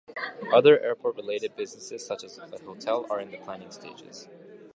Other airport-related businesses, such as a hotel, are in the planning stages.